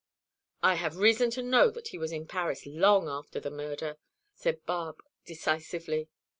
"I have reason to know that he was in Paris long after the murder," said Barbe decisively.